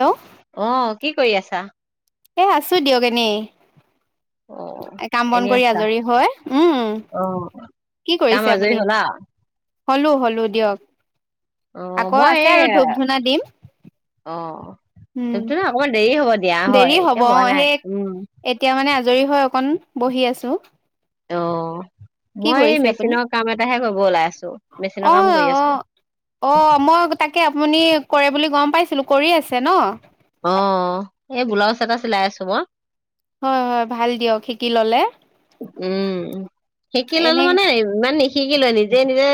Hello অ'। কি কৰি আছা? এ আছো দিয়ক এনেই। অ কাম বন এনে কৰি আছা আজৰি হয় উম, অ কি কাম কৰিছে আজৰি আপুনি? হলা হ'লো হ'লো দিয়ক। অ' আকৌ মই আছে এই আৰু ধূপ ধূনা দিম অ' উম ধূপ -ধূনা অকমান দেৰি হ'ব দিয়া হয় দেৰি এতিয়া হোৱা নাই। উম। দেৰি হয়। অকন বহি আছোঁ। অঁ কি কৰিছে আপুনি? ওলাই আছো মেচিনৰ অ কাম কৰি আছো অ অ মই তাকে আপুনি। কৰে বুলি গম পাইছিলো। কৰি আছে ন? অ এই ব্লাউজ এটা চিলাই আছোঁ মই। হয় হয় ভাল দিয়ক শিকি ললে।। উম, শিকি ললো এনে মানে ইমান নিহি। শিকি লয় নিজে নিজে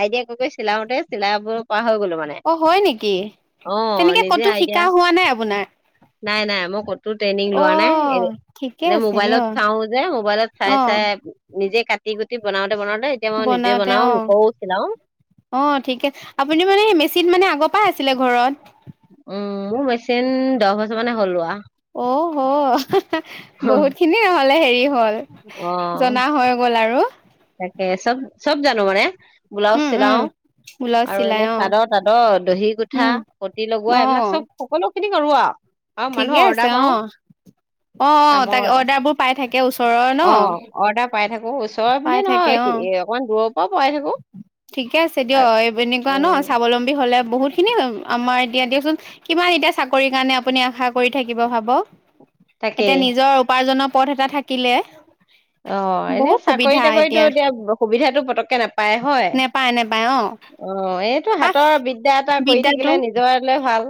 আইডিয়া কৈ কৈ চিলাওতে চিলাব পৰা।। হৈ গলো মানে অ হয় নেকি, অ তেনেকে নিজে ক'তো আইডিয়া শিকা হোৱা নাই আপোনাৰ? নাই নাই মই ক।। ট্ৰেইনিং অ লোৱা নাই এ ঠিকে এনে আছে মবাইলত দিয় চাওঁ।। মোবাইলত চাই চাই।। নিজে কাটি কুটি বনাওঁ।। বনাওঁতে চিলাও অঁঠিকে আপুনি মানে মেচিন মানে আগত।। পাই আছিলে ঘৰত। উম মোৰ মেচিন দহ বছৰ মানে হ'ল লোৱা। অহ হ পিছে বহুত খিনি হ'লে হেৰিত।। হল অ জনা হৈ গ'ল আৰু এ চব চব জানো মানে ব্লাউজ উম উম চিলাও ব্লাউজ আৰু চিলাই এনে অ চাদৰ তাদৰ দহি গোঠা উম পতিি লগোৱা অ এইবিলাক চব সকলো খিনি [unintelligible] ঠিকে মানুহৰ আছে অৰ্ডাৰ পাও অঁ অঁ অ তাক অৰ্ডাৰ বোৰ পাই থাকে তে ওচৰৰ ন অ চৰ বুল পাই থাকে অ নহয় অকণ দূৰত ঠিকে আছে দিয় এনেকুৱা ন উম স্বাৱলম্বী হলে বহুত খিনি আমাৰ এতিয়া দিয়কচোন কিমান এতিয়া চাকৰি কাৰণে আপুনি আশা কৰি থাকিব ভাবক এতিয়া তাকেই নিজৰ উপাৰ্জনৰ পথ এটা থাকিলে অ বহুত এনেই সুবিধা চাকৰি তাকৰিতটো এতিয়া সুবিধাতটো পতককে নাপায় হয় নেপায় নেপায় অ এইটো পাক হাতৰ বিদ্যা এটা কৰি থাকিলে বিদ্যাটো নিজৰলে ভাল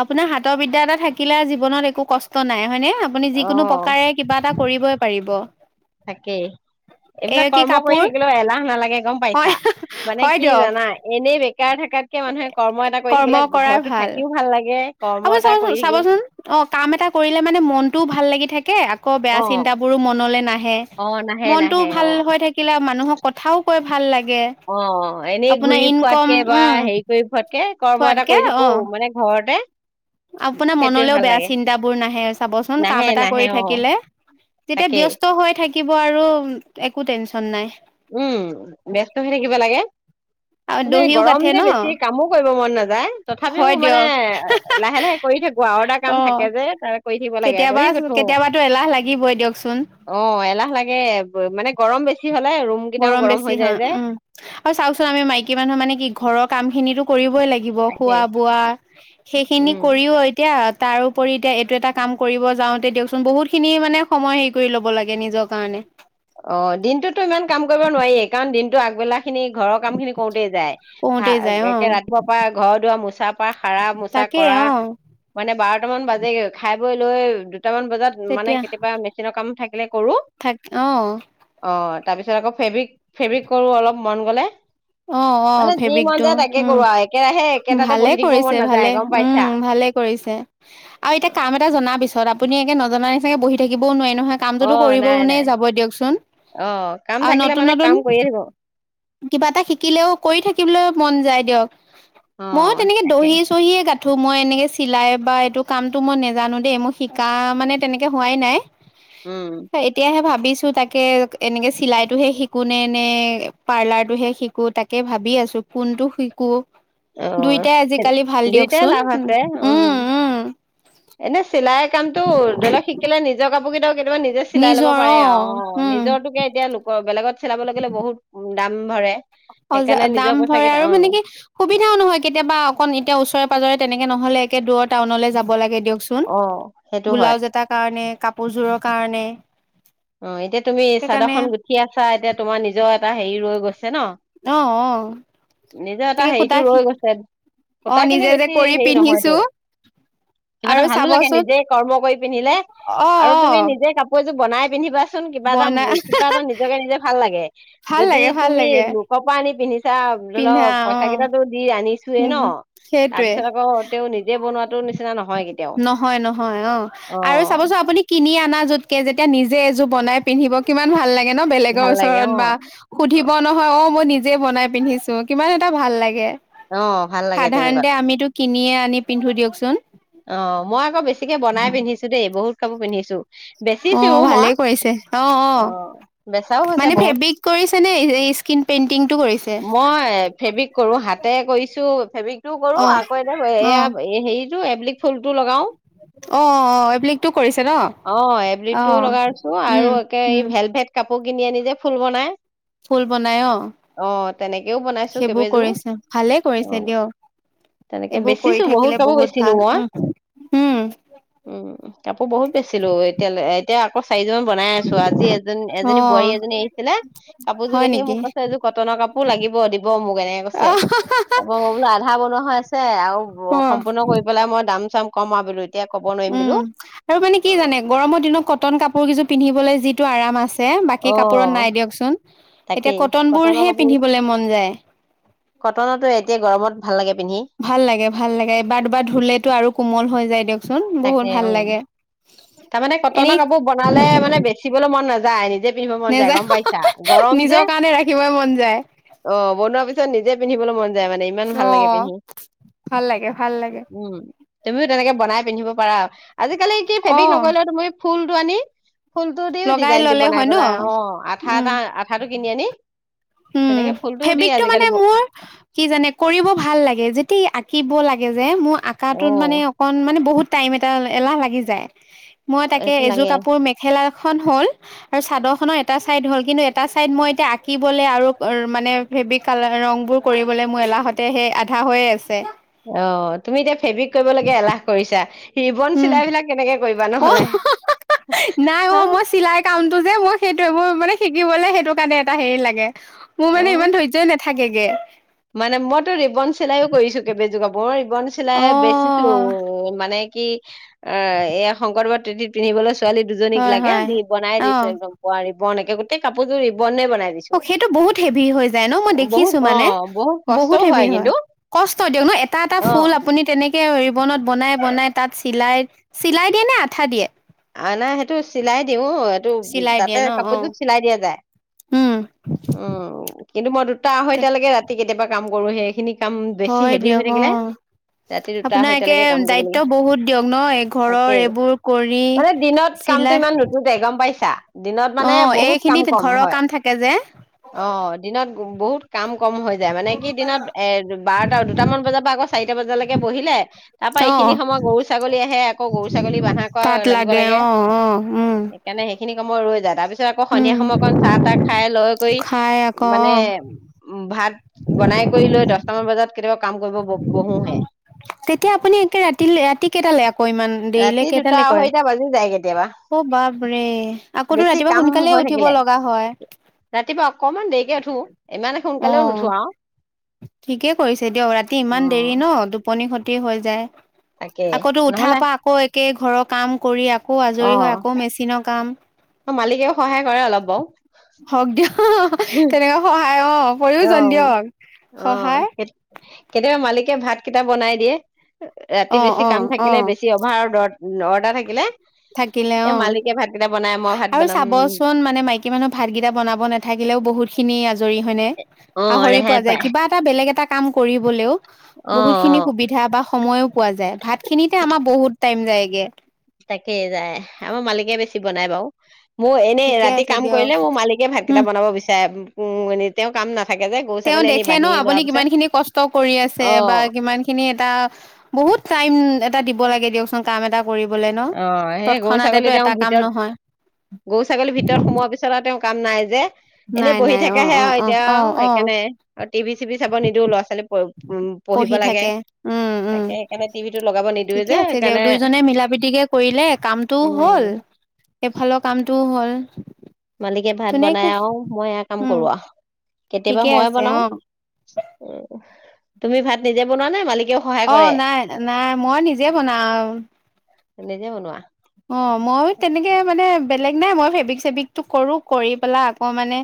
আপোনাৰ হাতৰ বিদ্যা এটা থাকিলে জীৱনত একো কষ্ট নাই হয়নে আপুনি অ যিকোনো প্ৰকাৰে কিবা এটা কৰিবই পাৰিব তাকেই এ এইবিলাক কি কৰ্ম কৰি কাপোৰ থাকিলেওঁ এলাহ নালাগে গম পাই হয় হয় দিয়ক বেকাৰ থাকাতকে মানুহে কৰ্ম এটা কৰি কৰ্ম থাকিলে কৰাই ঘৰতো ভাল থাকিও লাগে কৰ্ম আপুনি এটা কৰি চাবচোন থাকিব চাবচোন অঁ কাম এটা কৰিলে মানে মনটোও ভাল লাগি থাকে কে আকৌ অ বেয়া চিন্তাবোৰো মনলৈ নাই অ নাহে মনটো নাহে ভাল অ হৈ থাকিলে মানুহৰ কথাওঁ ভাল লাগে অ এনেই ঘূৰি ফুৱাতকে বা হেৰি কৰি ফুৱাতকে কৰ্ম এটা কৰি থাকো মানে ঘৰতে সেইটোৱে ভাল লাগে নাহে নাহে অ তাকেই [unintelligible] থাকিব আৰু একো টেনশন নাই উম বস্ত হৈ থাকিবা লাগে আৰু মানে দহিও গৰম গাঠে যে ন বেছি কামো কৰিব মন নাযায় তথাপিও হয় মানে দিয়ক লাহে লাহে কৰি থাকো আৰু এটা কাম অ থাকে যে তাৰ কৰি থাকিব লাগে কেতিয়াবা দহি গুঠো কেতিয়াবা এলাহ লাগিবই দিয়কচোন অ এলাহ লাগে মানে গৰম বেছি হ'লে আৰু গৰম বেছি হা উম আৰু চাওঁক চোন আমি মাইকী মানুহ মানে কি ঘৰৰত কাম খিনিতো কৰিব লাগিব তাকে খোৱা বোৱা সেইখিনি উম কৰিওঁ এতিয়া তাৰোপৰি এতিয়া এইটো এটা কাম কৰিব যাওঁতে দিয়কচোন বহুত খিনি মানে সময় হেৰি কৰি লব লাগে নিজৰ কাৰণে। অঁ, দিনটো ইমান কাম কৰিব নোৱাৰেই কাৰণ দিনটো আগবেলা খিনি ঘৰৰ কাম খিনি কৰোতেই যায়, কৰোতে যায় অ ৰাতিপুৱা পৰা ঘৰ দুৱাৰ মোচা পা সাৰা মোচা তাকে কৰা, অ মানে বাৰটা মান বাজেগৈ খাই লৈ লৈ কেইটামান তেতিয়া কেতিয়াবা থাকিলে কৰো থাক অ অঁ। তাৰপিছত আকৌ ফেবিক, ফেবিক কৰো অলপ মন গ'লে। অঁ, অঁ, মানে যি মন ফেবিকটো যায় তাকে উম, কৰো আৰু একেৰাহে একেটাতে ভালে বহি থাকিব মন কৰিছে নাযায় ভালে গম পাইছা উম, ভালে কৰিছে, আৰু এতিয়া কাম এটা জনাৰ পিছ তাৰ পাছত আপুনি একে নজনা নিচিনাকে বহি থাকিবও নোৱাৰে নহয় অ কামটোতো কৰিব নাই মনে নাই যাব দিয়কচোন, অ কাম আৰু থাকিলে নতুন মানে নতুন কাম কৰিয়ে থাকিব কিবা এটা শিকিলেও কৰি থাকিবলৈ মন যায় দিয়ক। অ মই তেনেকৈ তাকে দহি চহিয়ে গাঠো গাঠো মই এনেকে চিলাই বা এইটো কামতটো মই নেজানো দেই মোৰ শিকা মানে তেনেকৈ হোৱাই নাই। উম এতিয়াহে ভাবিছো ছো তাকে এনেকৈ চিলাইতোহে শিকো নে নে পাৰ্লাৰটোহে শিকো তাকে ভাবি আছো কোনটো শিকো। অ দুইটাই আজিকালি ভাল দুইটাই দিয়কচোন, লাভ আছে উম, উম। এনে চিলাই কামতটো [unintelligible] শিকিলে নিজৰ কাপোৰ কেইটাও কেত কেতিয়াবা নিজে চিলাই ল'ব নিজৰ পাৰে অ আৰ অ', উম নিজৰ তোকে এতিয়া লোকৰ বেলেগত চিলাবলৈ গ'লে বহুত, উ দাম ভৰে। অজা সেইকাৰণে নিজৰ দাম পইচা ভৰে কেইটা আৰু অ মানে কি সুবিধাও নহয় কেতিয়াবা অকণ এতিয়া ওচৰে পাজৰে তেনেকে নহলে একে দূৰ টাউনলৈ যাব লাগে। দিয়কচোন, অ সেইটো হয় বলাউজ এটাৰ কাৰণে কাপোৰযোৰৰ কাৰণে। অ', এতিয়া তুমি চাদৰ সেইকাৰণে খন গুঠি আছা এতিয়া তোমাৰ নিজৰ এ টা হেৰি ৰৈ গৈছ ন, অ অ ‌ নিজৰ এটা তাকে হেৰিটো সূতা ৰৈ গৈছে। অ সূতা খিনি নিজে যে বেছি কৰি হেৰি নহয়তো, পিন্ধিছো কিবা এটা আৰু ভালো লাগে চাবচোন নিজে কৰ্ম কৰি পিন্ধিলে, অ আৰু অ তুমি নিজে কাপোৰ এযোৰ বনাই পিন্ধিবা চোন কিবা এটা মোৰ বনাই কিবা এটা নিজকে নিজে ভাল লাগে। ভাল যদি লাগে ভাল তুমি লাগে লোকৰ পৰা আনি পিন্ধিছ পিন্ধা [unintelligible] অ পইচা কেইটাতটো দি আনি [unintelligible] উ ন, তাৰ সেইটোৱে পিছত আকৌ তেওঁ নিজে বনোৱাটো নিচিনা নহয় কেতিয়াও নহয় নহয় অ' আৰু চাবচোন আপুনি কিনি অনা যোতকে যেতিয়া নিজে এযোৰপ বনাই পিন্ধিব কিমান ভাল লাগে। ন বেলেগৰ ভাল লাগে ওচৰত অ বা সুধিব নহয় অ' মই নিজে বনাই পিন্ধিছো কিমান এটা ভাল লাগে। আহ ভাল লাগে তেনেকুৱা। সাধাৰণতে আমিতো কিনিয়ে আনি পিন্ধো দিয়কচোন। অ' মই আকৌ বেছিকে বনাই পিন্ধিছো দেই বহুত খাব পিন্ধিছো অ বেচিছো ভালে মই কৰিছে অ অ' বেচাও হৈছে মানে বহুত ফেব্ৰিক কৰিছে নে স্কিন পেইন্টিংটো কৰিছে মই ফেব্ৰিক কৰো হাতে কৰিছো। [inaudible] টো কৰো অ আকৌ এতিয়া অ এয়া হেৰিতটো এব্ ফুল টো লগাও। অ' অ' এপ্লিকটো কৰিছে ন অ এপ্লিকটো অ' উম উম। পাপ কিনি আনি যে ফুল বনাই ফুল বনাই অ' তেনেকেও বনাইছো সেইবোৰ কেইবেযোৰ কৰিছে ভালে অ কৰিছে দিয়ক তেনেকে এইবোৰ বেচিছো কৰি থাকিলে কাপোৰ বহুত বেচিলো ভাল মই উম। উম উম কাপোৰ বহুত বেচিলো এতিয়াল এতিয়া আকৌ চাৰি জ বনাই আছো আজি এজন অ এজনী বোৱাৰী এজনী আহিছিলে কাপোৰযোৰ হয় দেখি নেকি মোক কৈছে এইযোৰ কটনৰ কাপোৰ লাগিব দিব মোক এনেকে কৈছে আহ তপ মই বোলো আধা বনোৱা হৈ আছে আৰু অ সম্পূৰ্ণ কৰি পেলাই মই দাম াম কমাবলৈ উম আৰু মানে কি জানে গৰমৰ দিনত ক নট কাপোৰ কযোৰ পিন্ধিবলৈ যিটো আৰাম আছে অ বাকী কাপোৰত নাই দিয়কচোন এতিয়া তাকেই কটন কটনৰ বোৰহে কাপোৰ পিন্ধিবলৈ মন যায় কটনো এতিয়া গৰমত ভাল লাগে পিন্ধি ভাল লাগে ভাল লাগে এবাৰ দুবাৰ ধুলেতো আৰু কোমল হৈ যায় দিয়কচোন চোন তাকে বহুত অ ভাল লাগে তাৰমানে এনেই কটনৰ কাপোৰ বনালে মানে বেচিবলৈ মন নাযায় যায় নিকি পিন্ধিব মন যায় নেযায় গম পাইছা গৰম যে নিজৰ কাৰণে ৰাখিবই মন যায় অ বনোৱাৰ পিছত নিজে পিন্ধিব মন যায় মানে ইমান অ ভাল লাগে পিন্ধি ভাল লাগে ভাল লাগে উম তুমিও তেনেকে বনাই পিন্ধিব পাৰা আজ কাল কি অ ফেভিক নকলেওুমি ফুলডোৱানী ফুলটো দি লগাই ডিজাইন দি ললে বনাই হয় ন পেলাই অ আঠা উম এটা আঠাটো কিনি আনি উম তেনেকে ফুলটো দি ফেব্ৰিকটো মানে আজিকালি ব- মোৰ কি জানে কৰিব ভাল লাগে যে এ আঁকিব লাগে যে মই অ আকাটোত মানে অকন মানে বহুত টাইম এটা এলাহ লাগি যায় মই তাকে এইটো এযোৰ লাগে কাপোৰ মেখেলা হ'ল আৰু চাদৰ খনৰ এটা চাইদ হ'ল কিন্তু এটা চাইদ মই এতিয়া আঁকি লে আৰু মানে ফেিক কাল ৰং বোৰ কৰিবলৈ মোৰ এলাহতে সে আধা হৈয়ে আছে অ তুমি এতিয়া ফেব্ৰিক কৰিবলৈাগে এলাহ কৰিছা হৱন উম, চিলাই বিলাক কেনেকে কৰিবা অ' নহলে হ টো যে মোৰ সেইটোোৱে মোৰ মানে শিকিবলে সেইটো কাৰণে এটা হেৰি লাগে মোৰ মানে অ ইমান ধৈৰ্যই নাই। থাকেগে মানে মইতো ৰিবন চিলাইও কৰিছো কেইবজোকা [inaudible] চিলাই বেচিছো অ' মানে কি অ' এইয়া শংকৰদাৰ পিন্ধিবলৈ ছোৱালী দুজনীক হয় লাগে হয়। দি বনাই দিছো অ'। একদম পোৱাৰি বন একে গোটেই কাপযোৰ সেইটো বহুত হেভি হৈ যায় ন মই বহুত দেখিছো অ মানে। বহুত কষ্টও হেভি হয় কিন্তু কষ্ট দিয়ক ন এটা এটা অ ফুল আপুনি তেনেকে ৰিবনত বনাই বনাই তাত চিলাই চিলাই দিয়ে নে আঠা দিয়ে? অ' নাই সেইটো চিলাই দিওঁ এইটো চিলাই তাতে দিয়ে ন' কাপোৰযোৰ অ'। চিলাই দিয়া যায় উম, উম কিন্তু মই দুটা আহঁ তে- এতিয়ালৈকে ৰাতি কেতিয়াবা কাম কৰো সেইখিনি কাম বেছি হয় হেভি হৈ দিয়ক থাকিলে অ' ৰাতি দুটা আপোনাক একে আঢ়ৈটালৈকে কাম কৰিব দায়িত্ব লাগে বহুত দিয়ক ন ঘৰৰ তাকে এইবোৰ কৰি মানে দিনত কামতটো চিলাই ইমান নতুনতে গম পাইছা? দিনত মানে অ', বহুত কাম এইখিনি কম ঘৰৰ হয়, কাম থাকে যে অ' দিনত। বহুত কাম। কম হৈ যায় মানে কি দিনত এ বাৰটা দুটামান বজাৰ পৰা আক চাৰিটা বজালৈকে বহিলে তাৰ পৰা এইখিনি অ'। সময়ত গৰু ছাগলী আহে আকৌ গৰু ছাগলী বানহা তাত লাগে অ' অ' উম। কামৰ যা‌ তাৰ পিত তাৰিছত আকৌ উম, সন্ধিয়া সময় অকণ চাহ তাহ খাই লয় কৰি খাই আকৌ মানে অ'। উ ভাত বনাই কৰি লৈ দহটামান বজাত কেতিয়াবা কাম কৰিব ব-বহোঁহে তেতিয়া আপুনি একে ৰাতিলে? ৰাতি কেইটালে আকৌ, ইমান দেৰিলে ৰাতি দুটা কেইটালে? কৰে? আঢ়ৈটা বাজি যায় কেতিয়াবা অ বাপৰে আকৌতো বেছি ৰাতিপুৱা কাম সোনকালে হৈ উঠিব থাকিলে। লগা হয় ৰাতিপুৱা অকণমান দেৰিকে উঠোঁ। ইমান সোনকালেও নুঠোঁ আৰু ঠিকেই কৰিছে দিয়ক। ৰাতি ইমান দেৰি ন'। টোপনি ক্ষতি হৈ যায় তাকে আকৌতো নহলে উঠাৰ পৰা আকৌ এক কে, ঘৰৰ কাম কৰি আ আকৌ আজৰি হয়। আকৌ মেচিনৰ কাম অ মালিকেও সহায় কৰে অলপ বাৰু হক দিয়া তেনেকে অ অ সহায় কেতিয়াবা মালিক ভাত কেইটা বনাই দিয়ে ৰাতি অ বেছি অ কাম অ থাকিলে বেছি অভাৰৰ ৰ'দ ত নটা থাকিলে থাকিলে এ অ মালিকে ভাতকেইটা বনাই মই ভাত আৰু বনাম চাবচোন মানে মাইকী মানুহ ভাতকেইটা বনাব নাথাকিলেও বহুত খিনি আ আজৰি হয় নে অ আহৰি ৰেহাই পোৱা যায় পায় কিবা এটা বলেগ এ কাম কৰিবলৈও অ বহুত অ খিনি সুবিধা বা সময়ো পোৱা যায় ভাত খিনিতে আমাৰ বহুত টাইম যায়গে তাকে যায় আমাৰ মালিকে বেছি বনাই বাৰু মোৰ এনেই ঠিকে ৰাতি আছে কাম দিয়ক কৰিলে মোৰ মালিকে ভাতকেইটা উম বনাব বিচাৰে উম তেওঁ কাম ন তেওঁ দেখে ন আপুনি কিমান খিনি কষ্ট কৰি আছে অ বা কিমান খিনি এটা বহুত টাইম এটা দিব লাগে দিয়কচোন কাম এটা কৰিবলে ন অ সেই গৰু তৎক্ষণাতেতো ছাগলী তেওঁ এটা কাম ভিতৰত নহয় গৰু ছাগলী ভিতৰত সোমোৱাৰ পিছত আৰু তেওঁ কাম নাই যে এনেই নাই বহি নাই অ থাকাহে অ আৰু অ এতিয়া অ আৰু অ সেইকাৰণে টিভি চিভি চাব নিদিও ল'ৰা‌-ছোৱালী উ পঢ়িব পঢ়ি লাগে থাকে উম উম তাকে সেইকাৰণে টিভিটো লগাব নিদিওঁ যে সেইকাৰণে গতিকে কৰিলে কামটোও হ'ল উম সেইফালৰ কামটোও হ'ল উম [unintelligible] মালিকে ভাত বনাই আৰু মই এয়া কাম উম কৰো আ কেতিয়াবা ঠিকে মই আছে বনাও অ তুমি ভাত নিজে বনোৱানে মালিক অ নাই নাই মই নিজে বনাও নিজে বনোৱা অ মই তেনেকে মানে বেলেগ নাই মই ফেব্ৰিক চেব্ৰিকটো কৰো কৰি পেলাই আকৌ মানে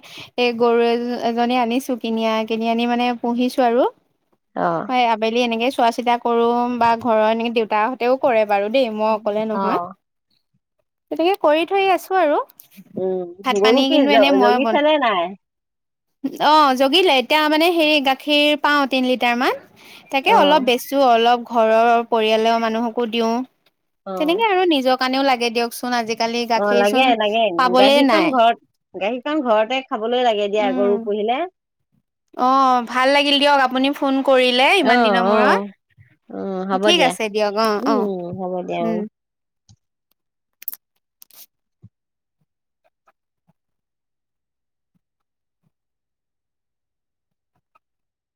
এই গৰু এ এজনী আনিছো কিনি কিনি আনি মানে পুহিছো আৰু অ হয় আবেলি এনেকে চোৱা চিতা কৰো বা ঘৰৰ এনেকে দেউতাহঁতেও কৰে বাৰু দেই মই অকলে অ নহয় তেনেকে কৰি ধৰি আছো আৰু। উম ভাত গৰু পানী কি কিন্তু জ এনে মই বন জগিছে নে নাই। অ জগিলে এতিয়া মানে হেৰি গাখীৰ পাও তিনি লিটাৰ মান। তাকে অ অলপ বেচো অলপ। ঘৰৰ পৰিয়ালৰ মানুহকো দিওঁ। অ তেনেকে আৰু নিজ। কাৰণেও লাগে দিয়কচোন। আজিকালি অ গাখীৰচোন লাগে লাগে পাবলে নাই গাখীৰকন ঘৰত গাখীৰকন ঘৰতে খাবলৈ লাগে দিয়া উম গৰু পুহিলে। অ ভাল লাগিল দিয়ক আপুনি ফোন কৰিলে অ ইমান দিনৰ অ অ মূৰত হ'ব ঠিক দিয়া আছে দিয়ক অ উম অ হ'ব দিয়া অ উম।